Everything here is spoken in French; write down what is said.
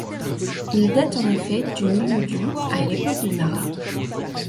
Il date en effet du milieu du à l’époque de Nara.